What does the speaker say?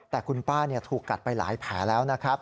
แต่คุณป้าถูกกัดไปหลายแผลแล้วนะครับ